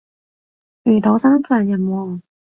遇到心上人喎？